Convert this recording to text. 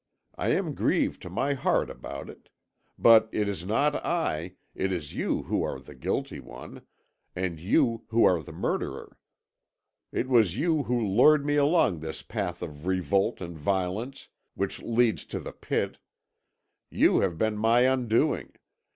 I am grieved to my heart about it. But it is not I, it is you who are the guilty one; you who are the murderer. It was you who lured me along this path of revolt and violence which leads to the pit. You have been my undoing.